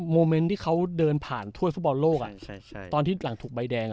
โมเมนต์ที่เขาเดินผ่านถ้วยฟุตบอลโลกอ่ะใช่ใช่ตอนที่หลังถูกใบแดงอ่ะ